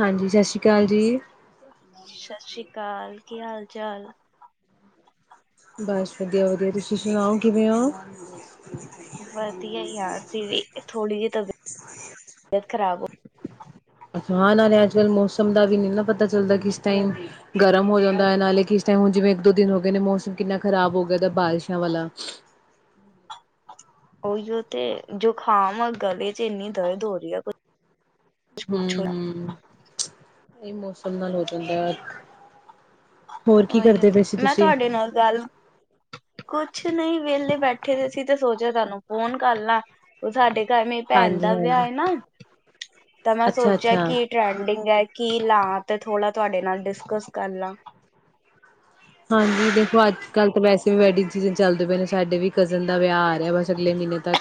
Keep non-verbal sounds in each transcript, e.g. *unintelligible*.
ਹਾਂਜੀ, ਸ਼ਸੀ ਕਾਲ ਜੀ। ਸ਼ਸਰੀ ਕਾਲ ਕੀ ਹਾਲ-ਚਾਲ ਬਸ ਵਦੀਆ-ਵਦੀਆ ਤੁਸੀਂ ਸੁਨਾਓ ਕਿਵੇਂ ਓ। ਵਦੀਆ ਈ ਆਂ ਅਸੀ ਵੀ ਥੋੜੀ ਜੀ ਤਬੀ ਬੀਅਤ ਖਰਾਬ ਹੋ ਹਾਂ ਨਾਲੇ ਅੱਜ-ਕੱਲ ਮੋਸਮ ਦਾ ਵੀ ਨਈ ਨਾ ਪਤਾ ਚੱਲਦਾ ਕਿਸ ਟਾਈਮ ਗਰਮ ਹੋ ਜਾਂਦਾ ਐ ਨਾਲੇ ਕਿਸ ਟੈਮ ਹੁਨ ਜਿਵੇਂ ਇੱਕ ਦੋ ਦਿਨ ਹੋ ਗਏ ਨੇ ਮੌਸਮ ਕਿੰਨਾ ਖਰਾਬ ਹੋ ਗੇਆ ਦਾ ਬਾਰਿਸ਼ਾਂ ਵਾਲਾ। ਓਈਓ ਤੇ ਜੁਕਾਮ ਆ ਗਲੇ ਚ ਇੰਨੀ ਦਰਦ ਹੋ ਰਈ ਆ ਕੁ ਹੂੰ-ਹੂੰ, ਏ ਮੌਸਮ ਨਾਲ ਹੋ ਜਾਂਦਾ ਆ। ਓਈਓ ਤੇ, ਮੈਂ ਤੁਆਡੇ ਨਾਲ ਗੱਲ ਕੁਛ ਨਈ ਵੇਲੇ ਬੈਠੇ ਦੇ ਸੀ ਤੇ ਸੋਚਿਆ ਤਾਨੂੰ ਫੋਨ ਕਰ ਲਾਂ ਓ ਸਾਡੇ ਕਰ ਮੇਰੀ ਭੈਣ ਹਾਂਜੀ ਦਾ ਵਿਆਹ ਹਾਂਜੀ ਹੈ ਨਾ ਤਾਂ ਮੈਂ ਅੱਛਾ ਸੋਚਿਆ ਅੱਛਾ ਕਿ ਟਰੈਂਡਿੰਗ ਐ ਕੀ ਲਾ ਤੇ ਥੋੜ੍ਹਾ ਤੁਆਡੇ ਨਾਲ ਡਿਸਕਸ ਕਰ ਲਾਂ। ਹਾਂਜੀ ਦੇਖੋ ਅੱਜ-ਕੱਲ ਤਾਂ ਵੈਸੇ ਵੀ ਵੈਡਿੰਗ ਸੀਜ਼ਨ ਚੱਲਦੇ ਪਏ ਨੇ ਸਾਡੇ ਵੀ ਕਜ਼ਨ ਦਾ ਵਿਆਹ ਆ ਰੈਆ ਬਸ ਅਗਲੇ ਮੀਨੇ ਤੱਕ।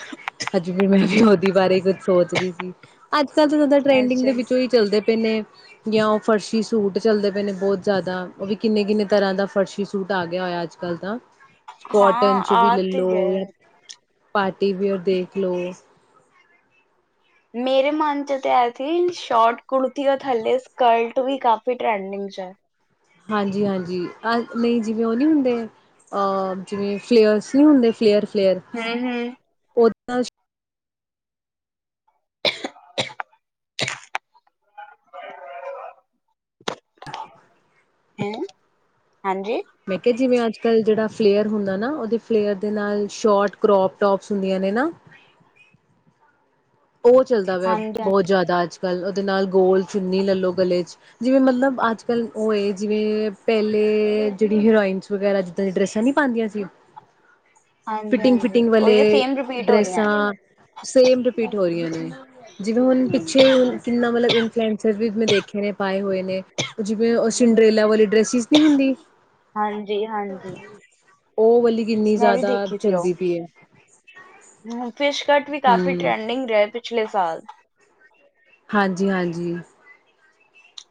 ਅੱਜ ਫਿਰ ਮੈਂ ਵੀ ਓਦੀ ਬਾਰੇ ਕੁੱਝ ਸੋਚ ਦੀ ਸੀ ਅੱਜ-ਕੱਲ ਤਾਂ ਜਾਦਾ ਇਸ ਟਰੈਂਡਿੰਗ ਚ ਦੇ ਵਿੱਚੋਂ ਈ ਚੱਲਦੇ ਪਏ ਨੇ ਜਾਂ ਓ ਫਰਸ਼ੀ ਸੂਟ ਚੱਲਦੇ ਪਏ ਨੇ ਬੋਤ ਜਾਦਾ ਓ ਵੀ ਕਿੰਨੇ-ਕਿੰਨੇ ਤਰਾਂ ਦਾ ਫਰਸ਼ੀ ਸੂਟ ਆ ਗਿਆ ਹੋਯਾ ਅੱਜ-ਕੱਲ ਤਾਂ, ਹਾਂ ਕੋਟਨ ਚ ਵੀ ਆ ਤੇ ਲਲੋ ਯਾ। ਗਏ ਪਾਰਟੀਵੇਅਰ ਦੇਖ ਲਓ। ਮੇਰੇ ਮਨ ਚ ਤੇ ਐ ਸੀ ਸ਼ੋਟ ਕੁੜਤੀ ਓ ਥੱਲੇ ਸਕਰਟ ਵੀ ਕਾਫੀ ਟਰੈਂਡਿੰਗ ਚ ਐ। ਹਾਂਜੀ-ਹਾਂਜੀ, ਅਹ ਨਈ ਜਿਵੇਂ ਓ ਨਈ ਹੁੰਦੇ। ਆ ਜਿਵੇਂ ਫਲੇਅਰਸ ਨਈ ਹੁੰਦੇ ਫਲੇਅਰ-ਫਲੇਅਰ ਹੂੰ-ਰੂੰ। ਪੋਤਾ ਚ *inaudible* ਹੈ, ਹਾਂਜੀ! ਮੈਂ ਕੈਆ ਜਿਵੇਂ ਅੱਜ-ਕੱਲ ਜੇੜਾ ਫਲੇਅਰ ਹੁੰਦਾ ਨਾ ਓਦੇ ਫਲੇਅਰ ਦੇ ਨਾਲ ਸ਼ੋਟ ਕਰੋਪ ਟੋਪਸ ਹੁੰਦੀਆਂ ਨੇ ਨਾ। ਓ ਚੱਲਦਾ ਪਿਆ ਹਾਂਜੀ, ਹਾਂ- ਬੋਤ ਜਾਦਾ ਅੱਜ-ਕੱਲ ਉਦੇ ਨਾਲ ਗੋਲ ਚੁੰਨੀ ਲਲੋ ਗਲੇ ਚ। ਜਿਵੇਂ ਮਤਲਬ ਅੱਜ-ਕੱਲ ਓਏ ਜਿਵੇਂ ਪੈਲੇ ਜਿੜੀ ਹਰੋਇਨਸ ਵਗੈਰਾ ਜਿੱਦਾਂ ਦੀ ਡਰੈਸਾਂ ਨੀ ਪਾਦੀਆਂ ਸੀ। *inaudible* ਹਾਂਜੀ ਫਿਟਿੰਗ-ਫਿਟਿੰਗ ਵਾਲੇ ਉਹੀਓ ਸੇਮ ਰਿਪੀਟ ਹੋ ਰਹੀਆਂ। ਡਰੈਸਾਂ ਸੇਮ ਰਿਪੀਟ ਹੋ ਰੀਆਂ ਨੇ ਜਿਵੇਂ ਹੁਣ ਪਿੱਛੇ ਹੁਨ ਕਿੰਨਾ ਮਤਲਬ ਇਨਫੈਲਸਰ ਵੀ ਮੈ ਦੇਖੇ ਨੇ ਪਾਏ ਹੋਏ ਨੇ। ਜਿਵੇਂ ਸਿੰਡਰੇਲਾ ਵਾਲੀ ਡ੍ਰੈਸਸ ਹਾਂਜੀ-ਹਾਂਜੀ। ਓ ਵਾਲੀ ਕਿੰਨੀ ਜਾਦਾ ਸੀ ਉਹ। ਚਲਦੀ ਪਈ ਏ। ਹੂੰ ਫਿਸ਼ਕਟ ਵੀ ਕਾਫੀ ਹਮ ਟਰੈਂਡਿੰਗ ਰੇਆ ਪਿਛਲੇ ਸਾਲ ਹਾਂਜੀ-ਹਾਂਜੀ।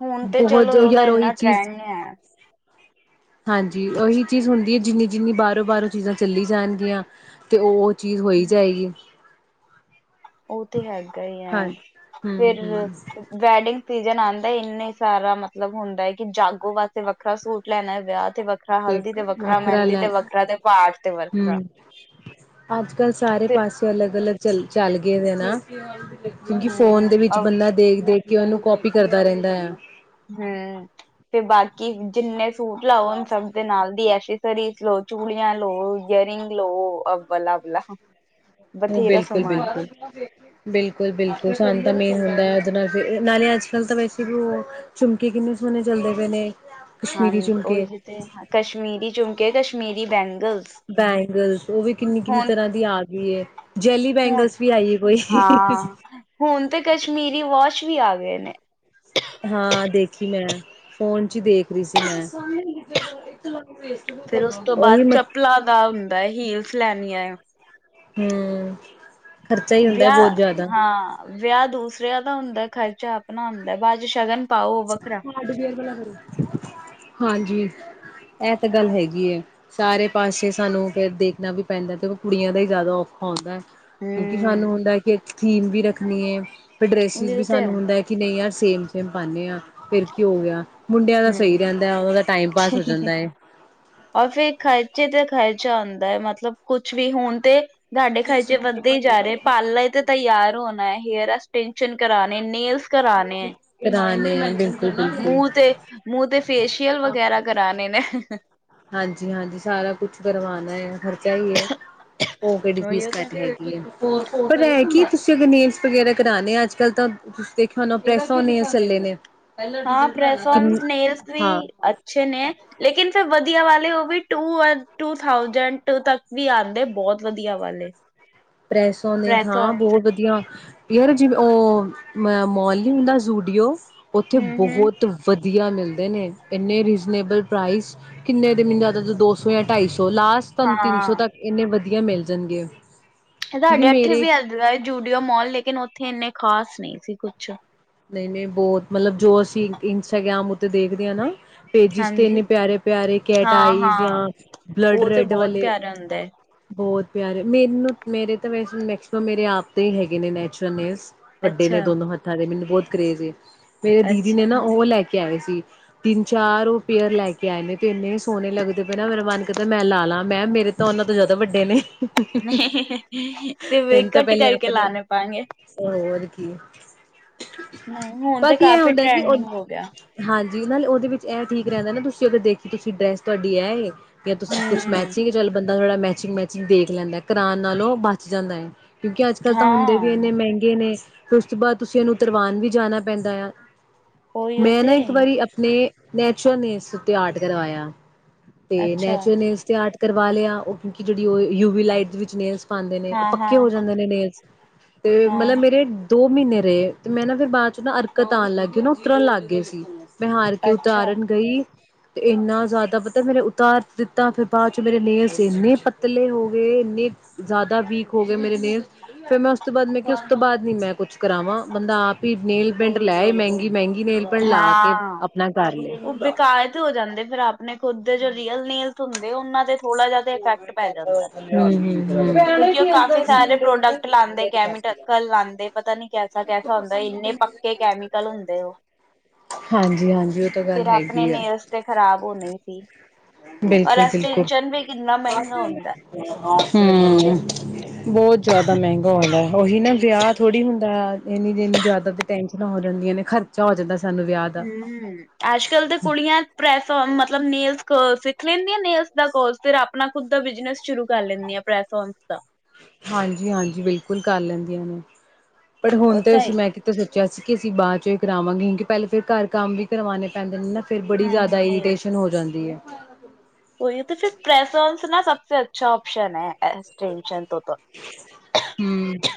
ਹੁਨ ਤੇ ਬਹੁਤ ਚਲੋ ਓਦਾ ਯਾਰ ਉਹੀ ਏਨਾ ਚੀਜ਼ ਟਰੈਂਡ ਨੀ ਹੈ। ਹਾਂਜੀ ਓਹੀ ਚੀਜ਼ ਹੁੰਦੀ ਐ ਜਿੰਨੀ-ਜਿੰਨੀ ਬਾਰੋਂ-ਬਾਰੋਂ ਚੀਜ਼ਾਂ ਚੱਲੀ ਜਾਣਗੀਆਂ ਤੇ ਓ ਚੀਜ਼ ਹੋਈ ਹਮ, ਜਾਏਗੀ। ਤੇ ਹੈਗਾ ਐ ਹਾਂ ਫਿਰ ਹੂੰ-ਹੂੰ ਵੈਡਿੰਗ ਸੀਜਨ ਆਦਾ ਏਨੇ ਸਾਰਾ ਮਤਲਬ ਹੁੰਦਾ ਐ ਕਿ ਜਾਗੋ ਵਾਸਤੇ ਵੱਖਰਾ ਸੂਟ ਲੈਣਾ ਵਿਆਹ ਤੇ ਵੱਖਰਾ ਹਲਦੀ ਤੇ ਵੱਖਰਾ ਮੈਂਦੀ ਤੇ ਵੱਖਰਾ ਤੇ ਪਾਾਠ ਤੇ ਵੱਖਰਾ ਅੱਜ-ਕੱਲ ਸਾਰੇ ਫਿਰ ਪਾਸੇ ਤੋਂ ਅਲੱਗ-ਅਲੱਗ ਚਲ ਚੱਲ ਗਏ ਨਾ ਕਿਉਂਕਿ ਫੋਨ ਹੂੰ ਦੇ ਵਿੱਚ ਅ ਬੰਦਾ ਦੇਖ-ਦੇਖ ਕਿ ਉਨੂੰ ਕੋਪੀ ਕਰਦਾ ਰੈਦਾ ਐ। ਹੂੰ, ਤੇ ਬਾਕੀ ਜਿੰਨੇ ਸੂਟ ਲਾਓ ਸਭ ਦੇ ਨਾਲ ਦੀ ਐਸਸ ਰੀਜ ਲੋ ਚੁੜੀਆਂ ਲੋ ਗੈਰਿੰਗ ਲੋ ਅ ਬਲਾ-ਬਲਾ ਬਿਲਕੁਲ-ਬਿਲਕੁਲ। ਬਿਲਕੁਲ-ਬਿਲਕੁਲ ਸਾਨੂੰ ਤਾਂ ਮੇਨ ਹੁੰਦਾ ਅੱਜ *unintelligible* ਨਾਲੇ ਅੱਜ-ਕੱਲ ਤਾਂ ਵੈਸੇ ਵੀ ਓ ਝੁਮਕੇ ਕਿੰਨੇ ਸੋਣੇ ਚੱਲਦੇ ਪਏ ਨੇ ਕਸ਼ਮੀਰੀ ਹਾਂਜੀ ਓਈ ਝੁਮਕੇ ਓ ਤੇ ਕਸ਼ਮੀਰੀ ਚੁਮਕੇ, ਕਸ਼ਮੀਰੀ ਬੈਂਗਲਸ ਬੈਂਗਲਸ ਓਵੀ ਕਿੰਨੀ-ਕਿੰਨੀ ਹੁਣ ਤਰ੍ਹਾਂ ਦੀ ਆ ਗਈ ਐ। ਜੈਲੀ ਹੁਣ ਬੈਂਗਲਸ ਵੀ ਆਈ ਐ ਕੋਈ। ਹਾਂ ਹੁਣ ਤੇ ਕਸ਼ਮੀਰੀ ਵੋਸ਼ ਵੀ ਆ ਗਏ ਨੇ। ਹਾਂ ਦੇਖੀ ਮੈਂ ਫ਼ੋਨ 'ਚ ਈ ਦੇਖ ਰੀ ਸੀ ਮੈਂ। ਉਹੀ ਮੈਂ ਪਲਾ ਦਾ ਹੁੰਦਾ ਐ ਹੀਲਸ ਲੈਣੀ ਐ। ਹੂੰ, ਖ਼ਰਚਾ ਈ ਹੁੰਦਾ ਬੋ ਜਿਆਦਾ। ਵੇਆ ਦੂਸਰਿਆਂ ਦਾ ਹੁੰਦੈ ਖ਼ਰਚਾ ਆਪਣਾ ਹੁੰਦਾ ਬਾ 'ਚ ਸ਼ਗਨ ਪਾਓ ਉਹ ਵੱਖਰਾ ਹਾਰਡਵੇਅਰ ਵਾਲਾ ਕਰੋ ਹਾਂਜੀ। ਐ ਤਾਂ ਗੱਲ ਹੈਗੀ ਐ। ਸਾਰੇ ਪਾਸੇ ਸਾਨੂੰ ਫਿਰ ਦੇਖਣਾ ਵੀ ਪੈਂਦਾ 'ਤੇ ਓ ਕੁੜੀਆਂ ਦਾ ਈ ਜਿਆਦਾ ਔਖਾ ਹੁੰਦਾ ਐ। ਕਿਉਂਕਿ ਹੂੰ ਸਾਨੂੰ ਹੁੰਦਾ ਕਿ ਇੱਕ ਥੀਮ ਵੀ ਰੱਖਣੀ ਏ ਫਿਰ ਡਰੈਸਿਸ ਵੀ ਇਹ ਤੇ ਸਾਨੂੰ ਹੈ ਹੁੰਦਾ ਐ ਕਿ ਨਈ ਯਾਰ ਸੇਮ-ਸੇਮ ਪਾਨੇ ਆ। ਫੇਰ ਕੀ ਹੋ ਗਿਆ ਮੁੰਡਿਆਂ ਦਾ ਸਈ ਹੂੰ, ਰੈਂਦਾ ਉਦਾ ਟਾਈਮ ਪਾਸ ਹੋ ਜਾਂਦਾ ਏ। ਔਰ ਫੇਰ ਖਰਚੇ ਤੇ ਖਰਚਾ ਹੁੰਦਾ ਐ ਮਤਲਬ ਕੁਛ ਵੀ ਹੁਣ ਤੇ ਤਾਡੇ ਖਰਚੇ ਵੱਧਦੇ ਈ ਜਾ ਰੇ ਪਾਲਰ ਤੇ ਤਿਆਰ ਹੋਣਾ, ਹੇਅਰ ਐਕਸਟੈਨਸ਼ਨ ਕਰਾਣੇ, ਨੇੇਲਸ ਕਰਾਂਣੇ ਬਿਲ ਮੂੰਹ ਤੇ, ਮੂੰਹ ਤੇ ਫੇਸ਼ੀਅਲ ਵਗੈਰਾ ਕਰਾਨੇ ਨੇ। ਹਾਂਜੀ-ਹਾਂਜੀ ਸਾਰਾ ਕੁਛ ਕਰਵਾਨੈ ਖਰਚਾ ਵੀ ਏ, ਓ ਕੇੜੀ ਚੀਜ਼ ਉਹੀਓ ਕਾ ਤੇ ਪਰ ਮੈਂ ਕੀ ਤੁਸੀਂ ਅਗਰ ਨੇਲਜ ਵਗੈਰਾ ਕਰਾਣੇ ਆ ਅੱਜ-ਕੱਲ ਤਾਂ ਤੁਸੀਂ ਦੇਖਿਆ ਹੋਣਾ ਪ੍ਰੈਸ ਓਨ ਨੇਲਸ ਚੱਲੇ ਨੇ। ਹਾਂ ਪ੍ਰੈਸ ਵਨਸ ਨੇਲਜ ਵੀ ਹਾਂ ਅੱਛੇ ਨੇ ਲੇਕਿਨ ਫਿਰ ਵਧੀਆ ਵਾਲੇ ਓ ਵੀ ਟੂ ਅ ਟੂ ਥਾਊਜੈਟ ਤੱਕ ਵੀ ਆਂਦੇ ਬੋਤ ਵਧੀਆ ਵਾਲੇ। *inaudible* ਪ੍ਰੈਸੋ ਓ ਨੇ ਹਾਂ ਪ੍ਰੈਸੋਨਸ ਬੋਹ ਵਧੀਆ ਹੇਅਰ ਜਿਵੇਂ ਓ ਮ ਮੋਲ ਨੀ ਹੁੰਦਾ ਯੂਡੀਓ ਉੱਥੇ ਹੂੰ ਹੂੰ ਬਹੁਤ ਵਧੀਆ ਮਿਲਦੇ ਨੇ ਐਨੇ ਰੀਜ਼ਨੇਬਲ ਪ੍ਰਾਈਜ਼ ਕਿੰਨੇ ਦੇ ਮੈਨੂੰ ਜਿਆਦਾ ਦੋ ਸੌ ਜਾਂ ਢਾਈ ਸੌ ਲਾਸਟ ਤੁਹਾਨੂੰ ਤਿੰਨ ਹਾਂ ਸੌ ਤੱਕ ਇੰਨੇ ਵਧੀਆ ਮਿਲ ਜਾਣਗੇ। ਕਿਉਂਕਿ ਸਾਡੇ ਅਡੇ ਮੇਰੇ ਵੀ ਐ ਯੂਡੀਊ ਮੋਲ ਲੇਕਿਨ ਉੱਥੇ ਇੰਨੇ ਖਾਸ ਨਈ ਸੀ ਕੁਛ। ਨਈ-ਨਈ ਬੋਤ ਮਤਲਬ ਜੋ ਅਸੀਂ ਇੰਸਟਾਗ੍ਰਾਮ ਉੱਤੇ ਦੇਖਦੇ ਆ ਨਾ ਪੇਜਿਸ ਤੇ ਹਾਂਜੀ ਇੰਨੇ ਪਿਆਰੇ-ਪਿਆਰੇ ਹਾਂ ਕੈਟਆਈਜ ਜਾਂ ਹਾਂ ਬਲੱਡ ਉਹ ਤੇ ਰੈਡ ਬਹੁਤ ਵਾਲੇ ਪਿਆਰਾ ਹੁੰਦਾ ਹੈ ਬੋਤ ਪਿਆਰੇ ਮੈਨੂੰ ਮੇਰੇ ਤਾਂ ਵੈਸੇ ਮੈਕਸੀਮਮ ਮੇਰੇ ਆਪ ਦੇ ਹੈਗੇ ਨੇ ਨੈਚਰਲ ਨੇਲਜ। ਵੱਡੇ ਨੇ ਅੱਛਾ। ਦੋਨੋਂ ਹੱਥਾਂ ਦੇ ਮੈਨੂੰ ਬੋਤ ਕਰੇਜ਼ ਏ ਮੇਰੇ ਦੀਦੀ ਨੇ ਨਾ ਅੱਛਾ ਓ ਲੈ ਕੇ ਆਏ ਸੀ ਤਿੰਨ-ਚਾਰ ਓ ਪੇਅਰ ਲੈ ਕੇ ਆਏ ਨੇ ਤੇ ਇੰਨੇ ਸੋਹਣੇ ਲੱਗਦੇ ਪੇ ਨਾ ਮੇਰਾ ਮਨ ਕਰਦਾ ਮੈਂ ਲਾ-ਲਾ ਮੈਂ ਮੇਰੇ ਤਾਂ ਉਨਾਂ ਤੋਂ ਜਿਆਦਾ ਵੱਡੇ ਨੇ। 'ਤੇ ਫੇ ਕੱਟ ਕਰਕੇ ਲਾਣੇ ਪੈਗੇ। ਓ ਹੋਰ ਕੀ‌। ਹੂੰ ਹੁਣ 'ਤੇ ਕਾਫ਼ੀ ਹੁੰਦਾ ਕਿ ਉਹ ਟਰੈਂਡਿੰਗ ਹੋ ਗਿਆ। ਹਾਂਜੀ ਨਾਲੇ ਉਦੇ ਵਿੱਚ ਐ ਠੀਕ ਰੈਂਦਾ ਨਾ ਤੁਸੀਂ ਅਗਰ ਦੇਖੀ ਤੁਸੀਂ ਡਰੈਸ ਤੁਹਾਡੀ ਐ ਏ ਜਾਂ ਤੁਸੀਂ ਕੁਛ ਹੂੰ ਮੈਚਿੰਗ ਚਲ ਬੰਦਾ ਥੋੜਾ ਮੈਚਿੰਗ-ਮੈਚਿੰਗ ਦੇਖ ਲੈਂਦਾ ਕਰਾਨ ਨਾਲੋਂ ਬਚ ਜਾਂਦਾ ਐ। ਕਿਉਂਕਿ ਅੱਜ-ਕਲ ਤਾਂ ਹੁੰਦੇ ਵੀ ਇੰਨੇ ਹਾਂ। ਮਹਿੰਗੇ ਨੇ ਫੇਰ ਉਸ ਤੋਂ ਬਾਦ ਤੁਸੀਂ ਏਨੂੰ ਤਰਵਾਨ ਵੀ ਜਾਣਾ ਪੈਂਦਾ ਆ, ਉਹੀਓ ਮੈਂ ਨਾ ਤੇ ਇੱਕ ਵਾਰੀ ਆਪਣੇ ਨੈਚੁਰਲ ਨੇਲਸ ਉੱਤੇ ਆਰਟ ਕਰਵਾਇਆ, ਤੇ ਅੱਛਾ ਨੈਚੁਰਲ ਨੇਲਸ ਤੇ ਆਰਟ ਕਰਵਾ ਲਿਆ ਓ ਕਿਉਂਕਿ ਜੇੜੀ ਓ ਯੂ ਵੀ ਲਾਈਟ ਦੇ ਵਿੱਚ ਨੇਲਸ ਪਾਂਦੇ ਨੇ ਓ ਹਾਂ ਹਾਂ ਪੱਕੇ ਹੋ ਜਾਂਦੇ ਨੇ ਨੇਲਜ 'ਤੇ ਮਤਲਬ ਹਾਂ ਮੇਰੇ ਦੋ ਮ੍ਹੀਨੇ ਰਏ। ਤੇ ਮੈਂ ਨਾ ਫਿਰ ਬਾ ਚੋਂ ਨਾ ਅਰਕਤ ਆਣ ਲਾਗੀ ਨਾ ਉਤਰਨ ਲਾਗੇ ਸੀ ਮੈਂ ਹਾਰ ਕੇ ਅੱਛਾ ਉਤਾਰਨ ਗਈ 'ਤੇ ਇੰਨਾ ਜਿਆਦਾ ਪਤਾ ਮੇਰੇ ਉਤਾਰ ਦਿੱਤਾ ਫਿਰ ਬਾ ਚੋਂ ਮੇਰੇ ਨੇਲਜ ਇੰਨੇ ਪਤਲੇ ਹੋ ਗੇ ਇੰਨੇ ਜ਼ਿਆਦਾ ਵੀਕ ਹੋ ਗਏ ਮੇਰੇ ਨੇਲਜ ਫਿਰ ਮੈਂ ਉਸ ਤੋਂ ਬਾਅਦ ਮੈਂ ਉਸ ਤੋਂ ਬਾਅਦ ਨੀ ਮੈਂ ਕੁਛ ਕਰਾਵਾਂ ਬੰਦਾ ਆਪ ਹੀ ਨੇਲ ਪੇਟ ਲੈ ਆਏ ਮਹਿੰਗੀ-ਮਹਿੰਗੀ ਨੇਲ ਪੇਟ ਲਾ ਕੇ ਹਾਂ। ਆਪਣਾ ਕਰ ਲੇ। ਉਹ ਬੇਕਾਰ ਹੋ ਜਾਂਦੇ ਫੇਰ ਆਪਣੇ ਖੁਦ ਦੇ ਜੋ ਰੀਅਲ ਨੇਲਜ ਹੁੰਦੇ ਉਹਨਾਂ ਦੇ ਥੋੜਾ ਜਿਆਦਾ ਇਫੈਕਟ ਪੈ ਜਾਂਦੈ। ਕਿਉਂਕਿ ਉਹ ਕਾਫ਼ੀ ਸਾਰੇ ਪ੍ਰੋਡਕਟ ਲਾਉਂਦੇ ਕੈਮੀ ਟਕਲ ਲਾਂਦੇ ਪਤਾ ਨੀ ਕੈਸਾ ਕੈਸਾ ਹੁੰਦਾ ਇੰਨੇ ਪੱਕੇ ਕੈਮੀਕਲ ਹੁੰਦੇ ਉਹ। ਹਾਂਜੀ- ਹਾਂਜੀ। ਫੇਰ ਆਪਣੇ ਨੇਲਜ ਤੇ ਖ਼ਰਾਬ ਹੋਣੇ ਸੀ ਔਰ ਬਿਲਕੁਲ-ਬਿਲਕੁਲ ਐਸਟਸ਼ਨ ਵੀ ਕਿੰਨਾ ਮਹਿੰਗਾ ਹੁੰਦੈ। ਹੂੰ ਬਹੁਤ ਜਿਆਦਾ ਮਹਿੰਗਾ ਹੋਣੈ ਉਹੀ ਨਾ ਵਿਆਹ ਥੋੜੀ ਹੁੰਦਾ ਆ ਇੰਨੀ- ਇੰਨੀ ਜ਼ਿਆਦਾ ਤੇ ਟੈਨਸ਼ਨਾਂ ਹੋ ਜਾਂਦੀਆਂ ਨੇ ਖਰਚਾ ਹੋ ਜਾਂਦੈ। ਹੂ ਅੱਜ-ਕੱਲ ਤਾਂ ਕੁੜੀਆਂ ਪ੍ਰੈਸ ਔਨ ਮਤਲਬ ਨੇਲਜ ਸਿੱਖ ਲੈਂਦੀਆਂ ਨੇਲਸ ਦਾ ਕੋਰਸ ਫਿਰ ਆਪਣਾ ਖੁਦ ਦਾ ਬਿਜਨਸ ਸ਼ੁਰੂ ਕਰ ਲੈਂਦੀ ਆ ਪ੍ਰੈਸ ਔਨ ਦਾ। ਹਾਂਜੀ -ਹਾਂਜੀ ਬਿਲਕੁਲ ਕਰ ਲੈਂਦੀਆਂ ਨੇ ਬਟ ਹੁਣ ਉਹ ਤੇ ਤਾਂ ਹੀ ਅਸੀਂ ਮੈਂ ਤੇ ਸੋਚਿਆ ਸੀ ਕਿ ਅਸੀਂ ਬਾਅਦ ਚੋਂ ਹੀ ਕਰਾਵਾਂਗੇ। ਕਿਉਂਕਿ ਪਹਿਲੇ ਫੇਰ ਘਰ ਕੰਮ ਵੀ ਕਰਵਾਉਣੇ ਪੈਂਦੇ ਨੇ ਨਾ। ਫੇਰ ਬੜੀ ਜ਼ਿਆਦਾ ਹਾਂਜੀ ਇਰੀਟੇਸ਼ਨ ਹੋ ਜਾਂਦੀ ਐ। ਓਹੀਓ ਤੇ ਫੇਰ ਪ੍ਰੈਸੋਂਸ ਓਨਸ ਤੇ ਸਭ ਤੇ ਅੱਛਾ ਓਪਸ਼ਨ ਐ ਐਸਟੈਂਸ਼ਨ ਤੋਂ ਤੋ। ਹੂੰ।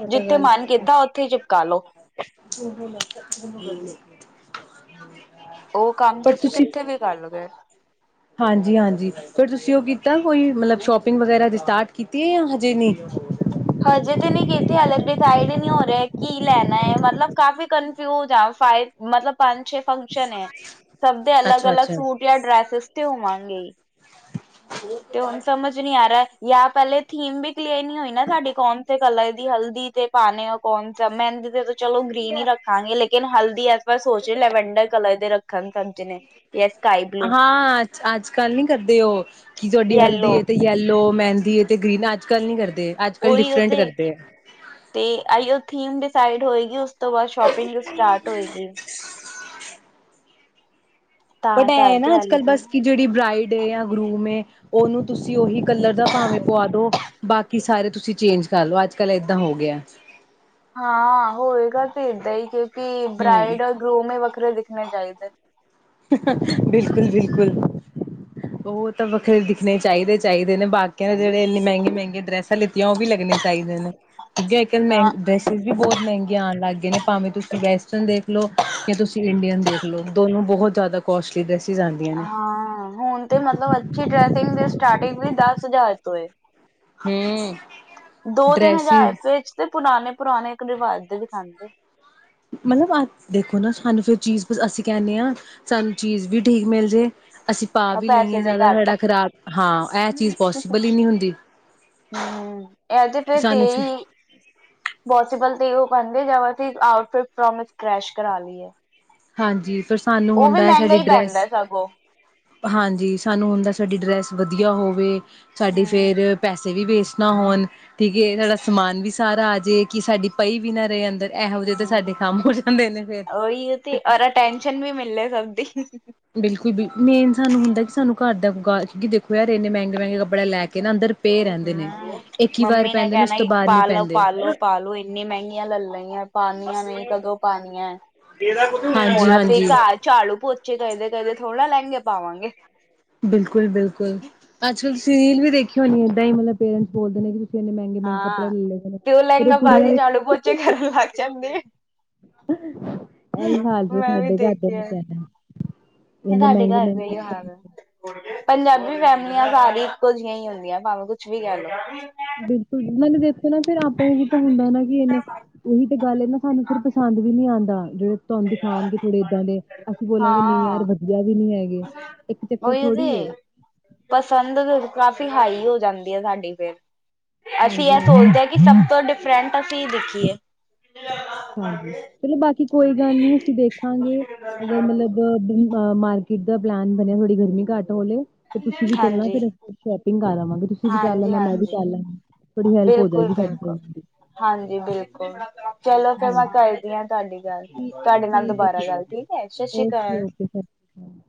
ਉਹ ਤਾਂ ਜਿੱਥੇ ਗੱਲ ਮਨ ਕੀਤਾ ਉੱਥੇ ਹੀ ਚਿਪਕਾਲੋ। *inaudible* ਉਹ ਕੰਮ ਤੁਸੀਂ ਕਿੱਥੇ ਵੀ ਕਰ ਲੋਗੇ। ਹਾਂਜੀ-ਹਾਂਜੀ ਫੇਰ ਤੁਸੀਂ ਉਹ ਕੀਤਾ ਕੋਈ ਮਤਲਬ ਸ਼ੋਪਿੰਗ ਵਗੈਰਾ ਅਜੇ ਸਟਾਰਟ ਕੀਤੀ ਆ ਜਾਂ‌ ਹਜੇ ਨਹੀਂ। ਹਜੇ ਤੇ ਨਹੀਂ ਕੀਤੀ ਹਾਲ ਡਿਸਾਈਡ ਨਹੀਂ ਹੋ ਰਿਹਾ। ਕੀ ਲੈਣਾ ਐ ਮਤਲਬ ਕਾਫੀ ਕਨਫਿਊਜਡ ਆ ਸ਼ਾਇਦ ਮਤਲਬ ਪੰਜ ਛੇ ਫੰਕਸ਼ਨ ਐ ਸਭ ਦੇ ਅਲੱਗ-ਅਲੱਗ ਅੱਛਾ-ਅੱਛਾ। ਸੂਟ ਜਾਂ ਡਰੈਸਿਸ ਤੇ ਹੋਵਾਂ ਗੇਈ। ਤੇ ਹੁਣ ਸਮਝ ਨੀ ਆ ਰਿਹਾ ਯਾ ਪਹਿਲੇ ਥੀਮ ਵੀ ਕਲੀਅਰ ਨੀ ਹੋਈ ਨਾ ਸਾਡੀ ਯਾ ਕੌਣ ਸੇ ਕਲਰ ਦੀ ਹਲਦੀ ਤੇ ਪਾਣੇ ਓ ਕੌਣਸ ਮਹਿੰਦੀ ਦੇ ਤੇ ਚਲੋ ਗ੍ਰੀਨ ਹੀ ਰੱਖਾਂਗੇ। ਲੇਕਿਨ ਹਲਦੀ ਇਸ ਵਾਰ ਸੋਚ ਰ ਲੈਵਂਡਰ ਕਲਰ ਦੇ ਰੱਖਣ ਸਭ ਜਣੇ। ਯਾ ਸਕਾਏ। ਹਾਂ ਅੱਜ ਅੱਜ-ਕੱਲ ਨੀ ਕਰਦੇ ਓ ਕੀ ਤੁਹਾਡੀ ਹਲਦੀ ਯੈਲੋ ਏ ਤੇ ਯੈਲੋ, ਮਹਿੰਦੀ ਅ ਤੇ ਗ੍ਰੀਨ ਅੱਜ-ਕੱਲ ਨੀ ਕਰਦੇ। ਅੱਜ-ਕੱਲ੍ਹ ਉਈ ਓ ਡਿਫਰੈਂਟ ਤੇ ਕਰਦੇ ਹੈ। ਤੇ ਏਓ ਥੀਮ ਡਿਸਾਈਡ ਹੋਏਗੀ ੳਸ ਤੋਂ ਬਾਅਦ ਸ਼ੋਪਿੰਗ ਸਟਾਰਟ ਹੋਏਗੀ। ਤਾਂ ਬਟ ਐ ਕਰਕੇ ਨਾ ਹਾਲੇ ਅੱਜ-ਕੱਲ੍ਹ ਤਾਂ ਬਸ ਕਿ ਜਿਹੜੀ ਬਰਾਈਡ ਜਾਂ ਗਰੂਮ ਹੈ ਉਹਨੂੰ ਤੁਸੀਂ ਉਹੀ ਕਲਰ ਦਾ ਭਾਵੇਂ ਪਵਾ ਦੋ ਬਾਕੀ ਸਾਰੇ ਤੁਸੀਂ ਚੇਂਜ ਕਰ ਲੋ ਅੱਜ-ਕੱਲ ਏਦਾਂ ਹੋ ਗਿਐ। ਹਾਂ ਹੋਏਗਾ ਤੇ ਏਦਾ ਈ ਕਿਉਂਕਿ ਹੂੰ। ਬਰਾਈਡ ਓਰ ਗਰੂਮ ਵੱਖਰੇ ਦਿਖਣੇ ਚਾਹੀਦੇ। ਬਿਲਕੁਲ-ਬਿਲਕੁਲ ਉਹ ਤਾਂ ਵੱਖਰੇ ਦਿਖਣੇ ਚਾਹੀਦੇ ਚਾਹੀਦੇ ਨੇ ਬਾਕੀਆਂ ਦੇ ਜਿਹੜੇ ਇੰਨੇ ਮਹਿੰਗੇ-ਮਹਿੰਗੇ ਡਰੈਸ ਥੱ ਲੀਤੀਆਂ ਉਹ ਵੀ ਲੱਗਣੇ ਚਾਹੀਦੇ ਨੇ ਦੂਜੀਆਂ ਇਕ ਨੇ ਹਾਂ *unintelligible* ਫਿਰ *unintelligible* ਵੀ ਬਹੁਤ ਮਹਿੰਗੀਆਂ ਆਣ ਲੱਗੀਆ ਨੇ ਭਾਵੇਂ ਤੁਸੀਂ ਵੈਸਟਰਨ ਦੇਖ ਲੋ ਯਾਂ ਤੁਸੀਂ ਇੰਡੀਅਨ ਦੇਖ ਲੋ ਦੋਨੋ ਬਹੁਤ ਜ਼ਿਆਦਾ ਕੋਸਟਲੀ ਡ੍ਰੇਸਿੰਗ ਆਦੀਆਂ। ਹਾਂ ਹੁਣ ਤੇ ਮਤਲਬ ਅੱਛੀ ਡਰੈਸਿੰਗ ਦੀ ਸਟਾਰਟਿੰਗ ਵੀ ਦਸ ਹਜ਼ਾਰ ਤੋਂ ਏ। ਹੂੰ ਦੋ-ਤਿੰਨ ਹਜ਼ਾਰ ਚ ਤੇ ਪੁਰਾਣੇ-ਪੁਰਾਣੇ ਇੱਕ ਰਿਵਾਜ਼ਤ ਦੇ ਦਿਖਾਉਂਦੇ। ਮਤਲਬ ਆ ਦੇਖੋ ਨਾ ਸਾਨੂੰ ਫੇਰ ਚੀਜ਼ ਅਸੀਂ ਕਹਿੰਨੇ ਆ। ਸਾਨੂੰ ਚੀਜ਼ ਵੀ ਠੀਕ ਮਿਲ ਜੇ। ਅਸੀਂ ਪਾ ਆ ਵੀ ਪੈਸੇ ਲੀਏ ਜ਼ਿਆਦਾ ਘੱਟ ਸਾਡਾ ਖ਼ਰਾਬ, ਹਾਂ ਇਹ ਚੀਜ਼ ਪੋਸੀਬਲ ਈ ਨੀ ਹੁੰਦੀ। ਹੂੰ, ਇਹ ਤੇ ਫਿਰ ਸਾਨੂੰ ਤੇਈ ਪੋਸੀਬਲ ਤੇ ਉਹ *unintelligible* ਆਊਟਫਿਟ ਪ੍ਰੋਮਿਸ ਕਰੈਸ਼ ਕਰਾ ਲਈਏ। ਹਾਂਜੀ ਫਿਰ ਸਾਨੂੰ ਉਹ ਵੀ ਹੁੰਦਾ ਐ ਮਹਿੰਗਾ ਸਾਡੀ ਹੀ ਡਰੈਸ ਪੈਂਦਾ ਸਗੋਂ ਹਾਂਜੀ ਸਾਨੂੰ ਹੁੰਦਾ ਐ ਸਾਡੀ ਡਰੈਸ ਵਧੀਆ ਹੋਵੇ। ਸਾਡੀ ਫੇਰ ਹੂੰ ਪੈਸੇ ਵੀ ਵੇਸਟ ਨਾ ਹੋਣ ਠੀਕ ਏ ਸਾਡਾ ਸਮਾਨ ਵੀ ਸਾਰਾ ਆ ਜੇ ਕਿ ਸਾਡੀ ਪਈ ਵੀ ਨਾ ਰਹੇ ਅੰਦਰ ਇਹੋ ਜੇ ਤੇ ਸਾਡੇ ਹੂੰ ਕੰਮ ਹੋ ਜਾਂਦੇ ਨੇ ਫੇਰ ਉਹੀ ਤੇ ਅਰ ਅਟੈਂਸ਼ਨ ਵੀ ਮਿਲੇ ਸਭ ਦੀ। ਬਿਲਕੁਲ ਬਿਲ ਮੇਨ ਸਾਨੂੰ ਹੁੰਦਾ ਸਾਨੂੰ ਘਰ ਦਾ ਕਿਉਕਿ ਦੇਖੋ ਯਾਰ ਇਨੇ ਮਹਿੰਗੇ ਮਹਿੰਗੇ ਕੱਪੜੇ ਲੈ ਕੇ ਨਾ ਅੰਦਰ ਪੇ ਰਹਿੰਦੇ ਨੇ, ਹੂੰ ਇੱਕ ਈ ਵਾਰ ਮੰਮੀ ਪੈਂਦੇ ਨੇ ਉਸ ਕਹਿਣਾ ਤੋਂ ਕਿ ਬਾਦ ਨੀ ਪਾਲੋ ਪੈਂਦੇ। ਪਾਲੋ ਪਾਲੋ ਇੰਨੀ ਮਹਿੰਗੀਆਂ ਲੈ ਲਈਆਂ ਪਾਨੀਆਂ ਨੀ ਕਦੋਂ ਪਾਨੀਆਂ, ਹਾਂਜੀ ਹੁਣ ਅਸੀ ਹਾਂਜੀ ਘਰ ਚਾੜੂ ਪੋਚੇ *unintelligible* ਕਦੇ ਥੋੜੀ ਨਾ ਲਹਿੰਗੇ ਪਾਵਾਂਗੇ। ਬਿਲਕੁਲ ਬਿਲਕੁਲ, ਅੱਜ-ਕੱਲ੍ਹ ਤੁਸੀਂ ਰੀਲ ਵੀ ਦੇਖੀ ਹੋਣੀ ਐ ਏਦਾਂ ਈ ਮਤਲਬ ਪੇਰੈਂਟਸ ਬੋਲਦੇ ਨੇ। ਕਿ ਮਹਿੰਗੇ ਮਹਿੰਗੇ ਹਾਂ ਕੱਪੜੇ ਲੇਦੇ ਨੇ, ਤੇ ਫਿਰ ਲਹਿੰਗਾ ਉਹ ਪਾ ਕੁੜੀਆਂ ਕੇ ਨੇ। ਝਾੜੂ *inaudible* ਇਹੀ ਹਾਲ ਵੀ ਮੈਂ ਸਾਡੇ ਘਰ ਦੇ ਆ ਨੇ ਦੇਖਿਆ ਕਹਿਣਾ। ਇੰਨੇ ਤੁਹਾਡੇ ਮਹਿੰਗੇ ਘਰ ਦਾ ਮਹਿੰਗੇ ਈ ਕੱਪੜੇ ਹਾਲ ਆ। ਦਿੱਤੇ। ਪੰਜਾਬੀ ਫੈਮਿਲੀਆਂ ਸਾਰੀ ਇੱਕੋ ਜਿਹੀਆਂ ਈ ਹੁੰਦੀਆਂ ਭਾਵੇਂ ਕੁਛ ਵੀ ਕਹਿ ਲੋ। ਬਿਲਕੁਲ ਮੈਂ ਨੇ ਦੇਖੋ ਨਾ ਫਿਰ ਆਪਾਂ ਵੀ ਤਾਂ ਹੁੰਦਾ ਨਾ ਕਿ ਇਹਨੇ ਉਹੀ ਤੇ ਗੱਲ ਐ ਨਾ ਸਾਨੂੰ ਫਿਰ ਪਸੰਦ ਵੀ ਨੀ ਆਦਾ ਜਿਹੜੇ ਤੁਹਾਨੂੰ ਦਿਖਾਉਣਗੇ ਥੋੜੇ ਏਦਾਂ ਦੇ, ਅਸੀਂ ਬੋਲਾਂਗੇ ਨਈ ਯਾਰ ਵਧੀਆ ਵੀ ਨੀ ਹੈਗੇ। ਇੱਕ ਚੱਕਰ ਉਈ ਐ ਜੀ। ਥੋੜ੍ਹੀ ਏ ਪਸੰਦ ਵੀ ਕਾਫੀ ਹਾਈ ਹੋ ਜਾਂਦੀ ਐ ਸਾਡੀ ਫਿਰ ਅਸੀਂ ਹਾਂਜੀ ਐ ਸੋਚਦੇ ਹਾਂਜੀ ਆ ਕਿ ਸਭ ਤੋਂ ਡਿਫਰੈਂਟ ਅਸੀਂ ਦੀਖੀਏ। ਹਾਂਜੀ, ਚਲੋ ਬਾਕੀ ਕੋਈ ਗੱਲ ਨੀ ਅਸੀਂ ਦੇਖਾਂਗੇ ਅਗਰ ਮਤਲਬ ਅ ਮਾਰਕੀਟ ਦਾ ਪਲੈਨ ਬਣਿਆ ਥੋੜੀ ਗਰਮੀ ਘੱਟ ਹੋਲੇ। ਫੇਰ ਤੁਸੀਂ ਵੀ ਚੱਲਣਾ ਹਾਂਜੀ, ਫਿਰ, ਸ਼ੋਪਿੰਗ ਕਰ ਆਵਾਂਗੇ ਤੁਸੀਂ ਵੀ ਕਰ ਲੈਣਾ ਮੈਂ ਵੀ ਹਾਂਜੀ-ਹਾਂਜੀ, ਕਰ ਲੈਣੀ। ਥੋੜ੍ਹੀ ਹੈਲਪ ਹੋ ਜਾਏਗੀ ਸਾਡੀ ਬਿਲਕੁਲ-ਬਿਲਕੁਲ। ਵੀ ਹਾਂਜੀ ਬਿਲਕੁਲ ਚਲੋ ਫੇਰ ਮੈਂ ਹਾਂਜੀ ਕਰਦੀ ਆ ਤੁਹਾਡੀ ਗੱਲ, ਤੁਹਾਡੇ ਨਾਲ ਠੀਕ ਹੈ ਦੁਬਾਰਾ ਜੀ ਗੱਲ ਠੀਕ ਐ ਸਾਸਰੀ ਓਕੇ ਕਾਲ। ਓਕੇ *inaudible*